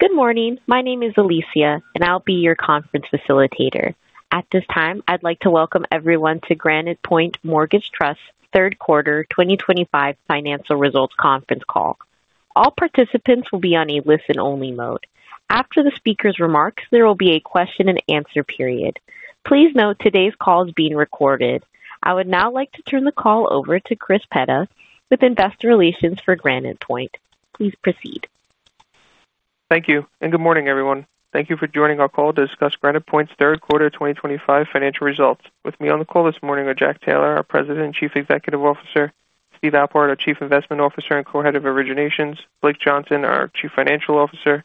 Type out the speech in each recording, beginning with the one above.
Good morning. My name is Alicia, and I'll be your conference facilitator. At this time, I'd like to welcome everyone to Granite Point Mortgage Trust's Third Quarter 2025 Financial Results Conference Call. All participants will be on a listen-only mode. After the speaker's remarks, there will be a question-and-answer period. Please note today's call is being recorded. I would now like to turn the call over to Chris Petta with Investor Relations for Granite Point. Please proceed. Thank you. Good morning, everyone. Thank you for joining our call to discuss Granite Point's third quarter 2025 financial results. With me on the call this morning are Jack Taylor, our President and Chief Executive Officer, Steve Alpart, our Chief Investment Officer and Co-Head of Originations, Blake Johnson, our Chief Financial Officer,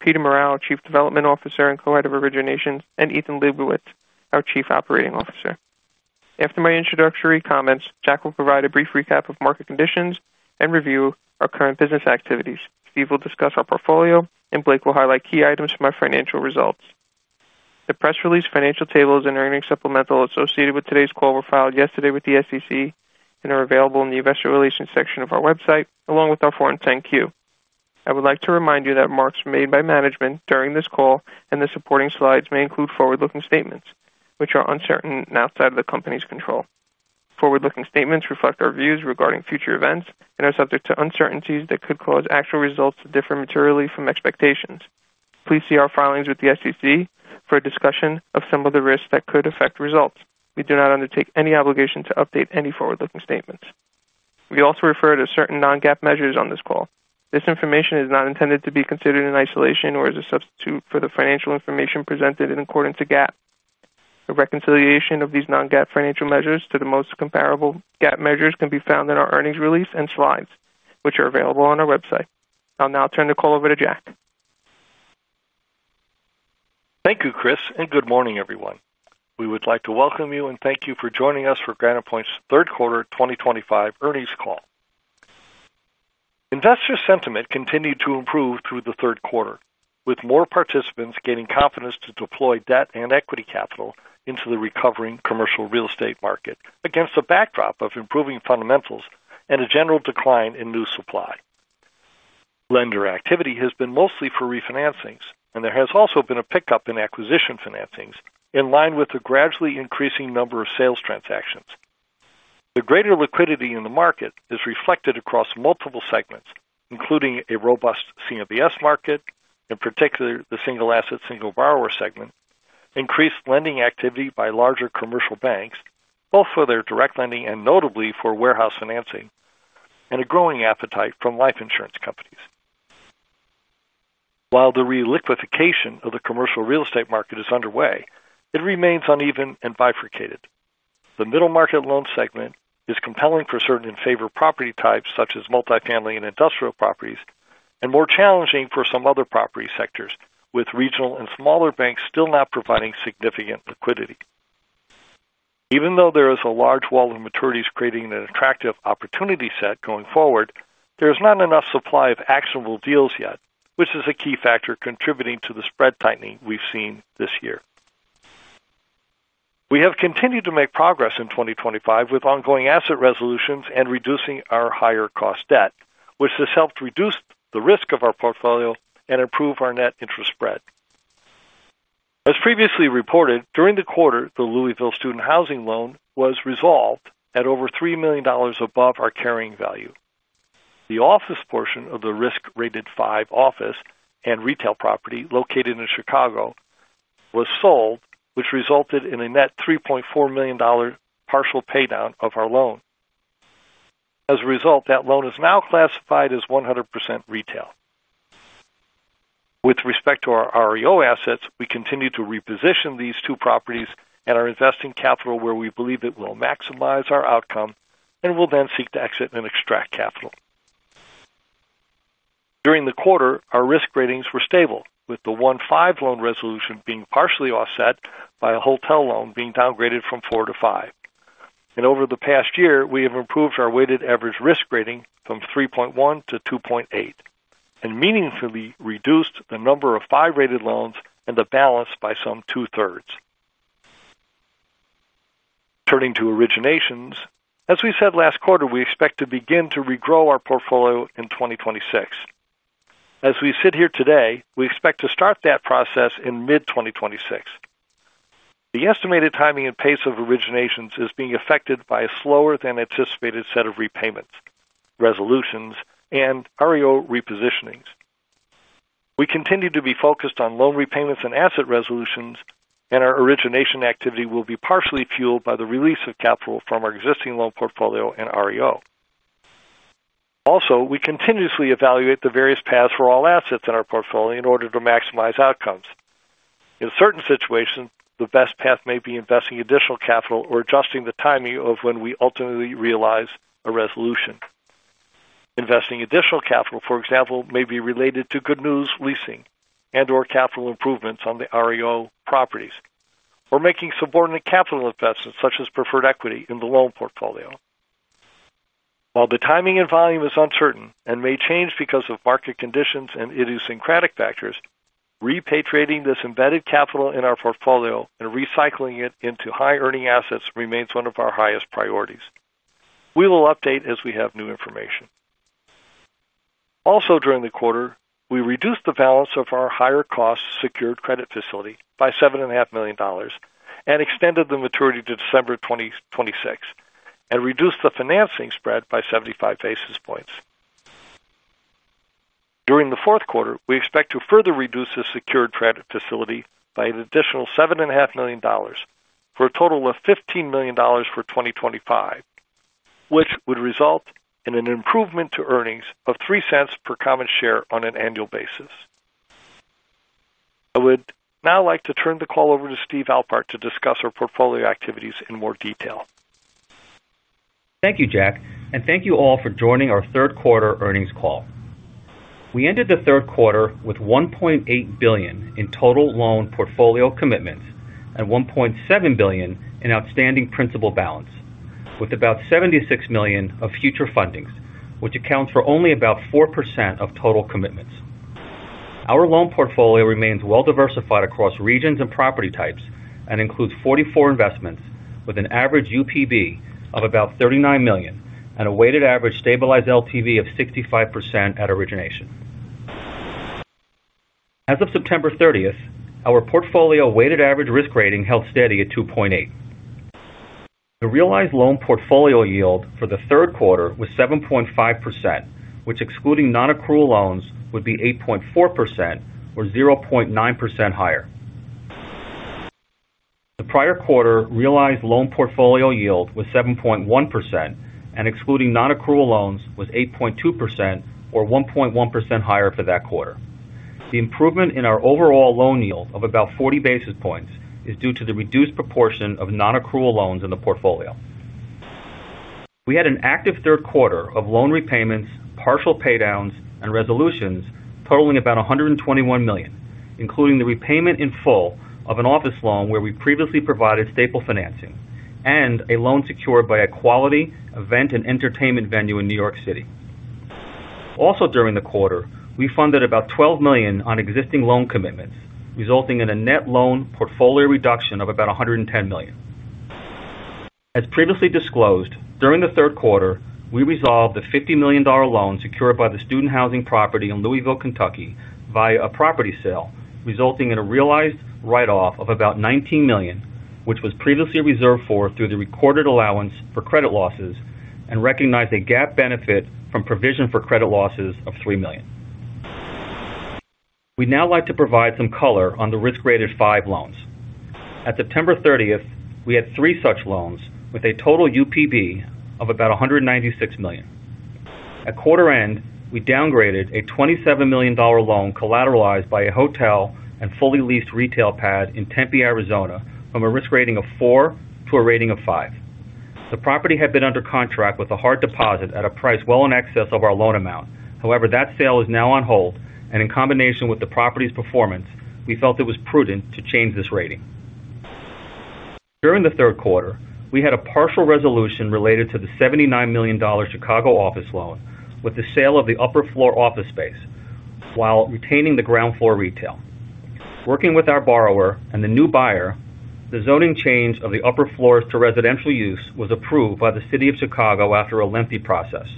Peter Morrell, our Chief Development Officer and Co-Head of Originations, and Ethan Lebowitz, our Chief Operating Officer. After my introductory comments, Jack will provide a brief recap of market conditions and review our current business activities. Steve will discuss our portfolio, and Blake will highlight key items from our financial results. The press release, financial tables, and earnings supplemental associated with today's call were filed yesterday with the SEC and are available in the Investor Relations section of our website, along with our Form 10-Q. I would like to remind you that remarks made by management during this call and the supporting slides may include forward-looking statements, which are uncertain and outside of the company's control. Forward-looking statements reflect our views regarding future events and are subject to uncertainties that could cause actual results to differ materially from expectations. Please see our filings with the SEC for a discussion of some of the risks that could affect results. We do not undertake any obligation to update any forward-looking statements. We also refer to certain non-GAAP measures on this call. This information is not intended to be considered in isolation or as a substitute for the financial information presented in accordance with GAAP. A reconciliation of these non-GAAP financial measures to the most comparable GAAP measures can be found in our earnings release and slides, which are available on our website. I'll now turn the call over to Jack. Thank you, Chris, and good morning, everyone. We would like to welcome you and thank you for joining us for Granite Point's third quarter 2025 earnings call. Investor sentiment continued to improve through the third quarter, with more participants gaining confidence to deploy debt and equity capital into the recovering commercial real estate market against a backdrop of improving fundamentals and a general decline in new supply. Lender activity has been mostly for refinancings, and there has also been a pickup in acquisition financings in line with the gradually increasing number of sales transactions. The greater liquidity in the market is reflected across multiple segments, including a robust CMBS market, in particular the single asset, single borrower segment, increased lending activity by larger commercial banks, both for their direct lending and notably for warehouse financing, and a growing appetite from life insurance companies. While the re-liquidation of the commercial real estate market is underway, it remains uneven and bifurcated. The middle market loan segment is compelling for certain in-favor property types such as multifamily and industrial properties, and more challenging for some other property sectors, with regional and smaller banks still not providing significant liquidity. Even though there is a large wall of maturities creating an attractive opportunity set going forward, there is not enough supply of actionable deals yet, which is a key factor contributing to the spread tightening we've seen this year. We have continued to make progress in 2024 with ongoing asset resolutions and reducing our higher-cost debt, which has helped reduce the risk of our portfolio and improve our net interest spread. As previously reported, during the quarter, the Louisville student housing loan was resolved at over $3 million above our carrying value. The office portion of the Risk Rated 5 office and retail property located in Chicago was sold, which resulted in a net $3.4 million partial paydown of our loan. As a result, that loan is now classified as 100% retail. With respect to our REO assets, we continue to reposition these two properties and are investing capital where we believe it will maximize our outcome and will then seek to exit and extract capital. During the quarter, our risk ratings were stable, with the one 5 loan resolution being partially offset by a hotel loan being downgraded from 4 to 5. Over the past year, we have improved our weighted average risk rating from 3.1 to 2.8 and meaningfully reduced the number of 5-rated loans and the balance by some 2/3. Turning to originations, as we said last quarter, we expect to begin to regrow our portfolio in 2026. As we sit here today, we expect to start that process in mid-2026. The estimated timing and pace of originations is being affected by a slower-than-anticipated set of repayments, resolutions, and REO repositionings. We continue to be focused on loan repayments and asset resolutions, and our origination activity will be partially fueled by the release of capital from our existing loan portfolio and REO. Also, we continuously evaluate the various paths for all assets in our portfolio in order to maximize outcomes. In certain situations, the best path may be investing additional capital or adjusting the timing of when we ultimately realize a resolution. Investing additional capital, for example, may be related to good news leasing and/or capital improvements on the REO properties or making subordinate capital investments such as preferred equity in the loan portfolio. While the timing and volume is uncertain and may change because of market conditions and idiosyncratic factors, repatriating this embedded capital in our portfolio and recycling it into high-earning assets remains one of our highest priorities. We will update as we have new information. Also, during the quarter, we reduced the balance of our higher-cost secured credit facility by $7.5 million and extended the maturity to December 2026 and reduced the financing spread by 75 basis points. During the fourth quarter, we expect to further reduce the secured credit facility by an additional $7.5 million for a total of $15 million for 2025, which would result in an improvement to earnings of $0.03 per common share on an annual basis. I would now like to turn the call over to Steve Alpart to discuss our portfolio activities in more detail. Thank you, Jack, and thank you all for joining our third quarter earnings call. We ended the third quarter with $1.8 billion in total loan portfolio commitments and $1.7 billion in outstanding principal balance, with about $76 million of future fundings, which accounts for only about 4% of total commitments. Our loan portfolio remains well-diversified across regions and property types and includes 44 investments, with an average UPB of about $39 million and a weighted average stabilized LTV of 65% at origination. As of September 30th, our portfolio weighted average risk rating held steady at 2.8. The realized loan portfolio yield for the third quarter was 7.5%, which, excluding non-accrual loans, would be 8.4% or 0.9% higher. The prior quarter realized loan portfolio yield was 7.1%, and excluding non-accrual loans, was 8.2% or 1.1% higher for that quarter. The improvement in our overall loan yield of about 40 basis points is due to the reduced proportion of non-accrual loans in the portfolio. We had an active third quarter of loan repayments, partial paydowns, and resolutions totaling about $121 million, including the repayment in full of an office loan where we previously provided staple financing and a loan secured by a quality event and entertainment venue in New York City. Also, during the quarter, we funded about $12 million on existing loan commitments, resulting in a net loan portfolio reduction of about $110 million. As previously disclosed, during the third quarter, we resolved the $50 million loan secured by the student housing property in Louisville, Kentucky, via a property sale, resulting in a realized write-off of about $19 million, which was previously reserved for through the recorded allowance for credit losses and recognized a GAAP benefit from provision for credit losses of $3 million. We'd now like to provide some color on the risk rated 5 loans. At September 30th, we had three such loans with a total UPB of about $196 million. At quarter end, we downgraded a $27 million loan collateralized by a hotel and fully leased retail pad in Tempe, Arizona, from a risk rating of 4 to a rating of 5. The property had been under contract with a hard deposit at a price well in excess of our loan amount. However, that sale is now on hold, and in combination with the property's performance, we felt it was prudent to change this rating. During the third quarter, we had a partial resolution related to the $79 million Chicago office loan with the sale of the upper floor office space while retaining the ground floor retail. Working with our borrower and the new buyer, the zoning change of the upper floors to residential use was approved by the City of Chicago after a lengthy process.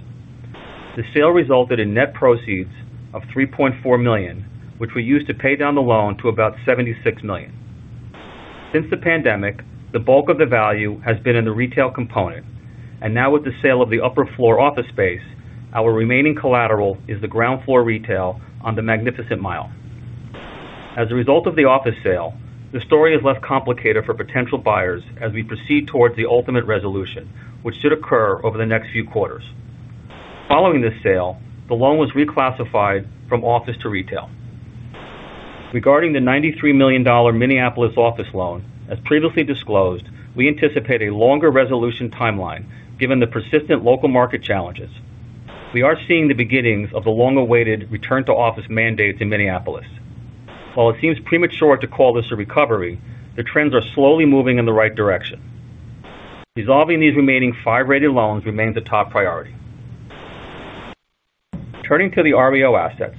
The sale resulted in net proceeds of $3.4 million, which we used to pay down the loan to about $76 million. Since the pandemic, the bulk of the value has been in the retail component, and now with the sale of the upper floor office space, our remaining collateral is the ground floor retail on the Magnificent Mile. As a result of the office sale, the story is less complicated for potential buyers as we proceed towards the ultimate resolution, which should occur over the next few quarters. Following this sale, the loan was reclassified from office to retail. Regarding the $93 million Minneapolis office loan, as previously disclosed, we anticipate a longer resolution timeline given the persistent local market challenges. We are seeing the beginnings of the long-awaited return to office mandates in Minneapolis. While it seems premature to call this a recovery, the trends are slowly moving in the right direction. Resolving these remaining 5 rated loans remains a top priority. Turning to the REO assets,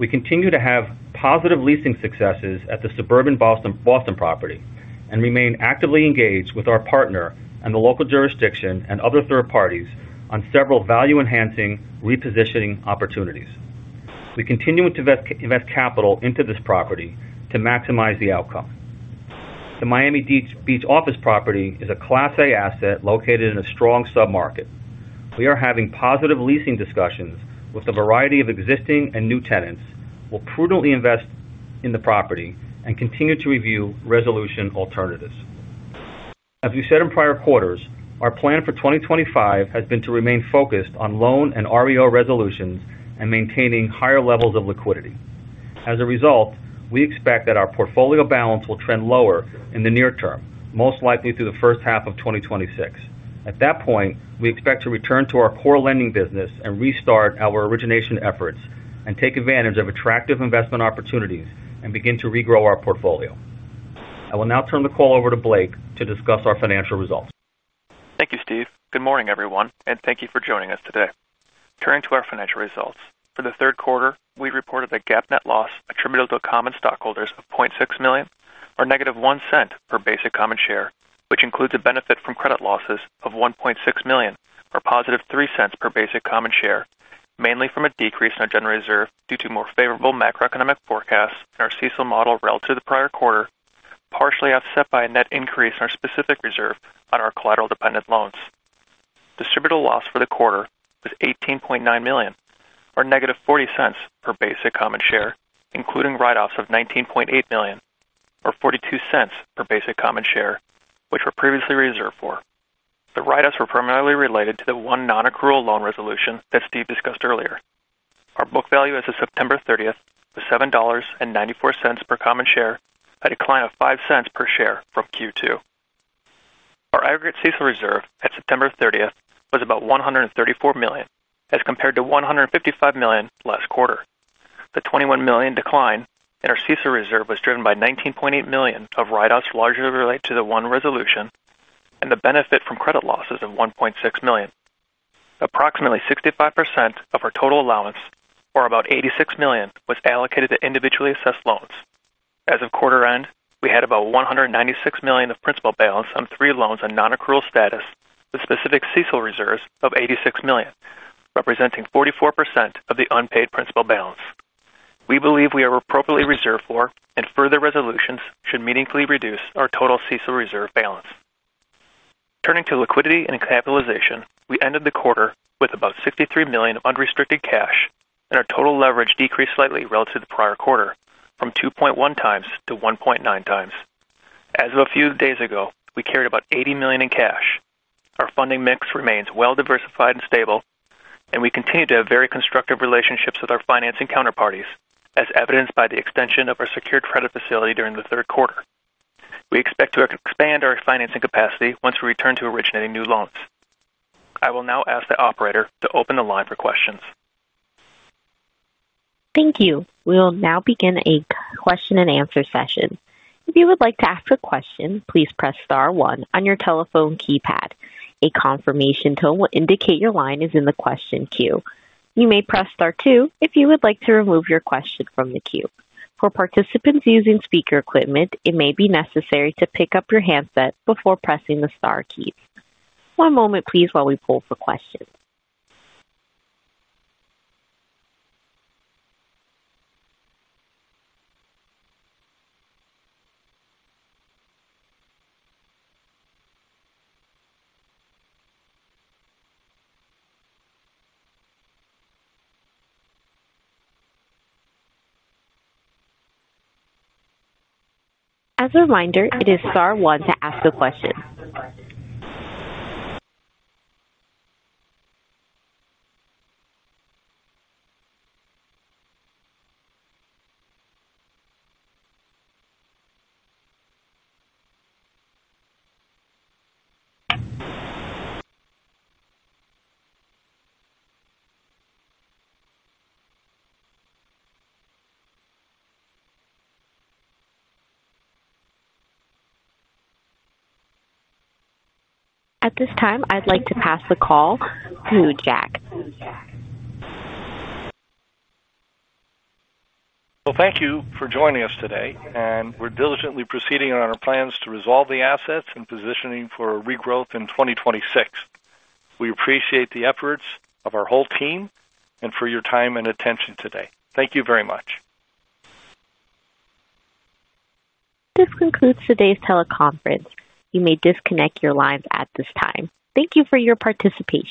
we continue to have positive leasing successes at the suburban Boston property and remain actively engaged with our partner and the local jurisdiction and other third parties on several value-enhancing repositioning opportunities. We continue to invest capital into this property to maximize the outcome. The Miami Beach office property is a class A asset located in a strong submarket. We are having positive leasing discussions with a variety of existing and new tenants, will prudently invest in the property, and continue to review resolution alternatives. As we said in prior quarters, our plan for 2025 has been to remain focused on loan and REO resolutions and maintaining higher levels of liquidity. As a result, we expect that our portfolio balance will trend lower in the near term, most likely through the first half of 2026. At that point, we expect to return to our core lending business and restart our origination efforts and take advantage of attractive investment opportunities and begin to regrow our portfolio. I will now turn the call over to Blake to discuss our financial results. Thank you, Steve. Good morning, everyone, and thank you for joining us today. Turning to our financial results, for the third quarter, we reported a GAAP net loss attributed to common stockholders of $0.6 million or -$0.01 per basic common share, which includes a benefit from credit losses of $1.6 million or +$0.03 per basic common share, mainly from a decrease in our general reserve due to more favorable macroeconomic forecasts in our CECL model relative to the prior quarter, partially offset by a net increase in our specific reserve on our collateral-dependent loans. Distributable loss for the quarter was $18.9 million or -$0.40 per basic common share, including write-offs of $19.8 million or $0.42 per basic common share, which were previously reserved for. The write-offs were primarily related to the one non-accrual loan resolution that Steve discussed earlier. Our book value as of September 30th was $7.94 per common share, a decline of $0.05 per share from Q2. Our aggregate CECL reserve at September 30th was about $134 million as compared to $155 million last quarter. The $21 million decline in our CECL reserve was driven by $19.8 million of write-offs largely related to the one resolution and the benefit from credit losses of $1.6 million. Approximately 65% of our total allowance, or about $86 million, was allocated to individually assessed loans. As of quarter end, we had about $196 million of principal balance on three loans in non-accrual status with specific CECL reserves of $86 million, representing 44% of the unpaid principal balance. We believe we are appropriately reserved for, and further resolutions should meaningfully reduce our total CECL reserve balance. Turning to liquidity and capitalization, we ended the quarter with about $63 million of unrestricted cash, and our total leverage decreased slightly relative to the prior quarter, from 2.1x to 1.9 times. As of a few days ago, we carried about $80 million in cash. Our funding mix remains well-diversified and stable, and we continue to have very constructive relationships with our financing counterparties, as evidenced by the extension of our secured credit facility during the third quarter. We expect to expand our financing capacity once we return to originating new loans. I will now ask the operator to open the line for questions. Thank you. We will now begin a question-and-answer session. If you would like to ask a question, please press Star 1 on your telephone keypad. A confirmation tone will indicate your line is in the question queue. You may press Star 2 if you would like to remove your question from the queue. For participants using speaker equipment, it may be necessary to pick up your handset before pressing the Star key. One moment, please, while we pull for questions. As a reminder, it is Star 1 to ask a question. At this time, I'd like to pass the call to Jack. Thank you for joining us today, and we're diligently proceeding on our plans to resolve the assets and positioning for a regrowth in 2026. We appreciate the efforts of our whole team and for your time and attention today. Thank you very much. This concludes today's teleconference. You may disconnect your lines at this time. Thank you for your participation.